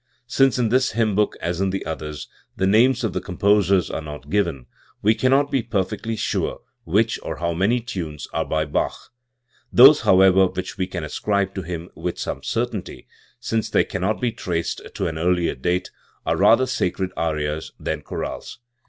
Since in this hymn book, as in the others, the names of the com posers are not given, we cannot be perfectly sure which or how many tunes are by Bach. Those, however, which we can ascribe to him. with some certainty, since they cannot be traced to an earlier date, are rather sacred arias than chorales.